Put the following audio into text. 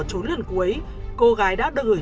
trốn lần cuối cô gái đã được gửi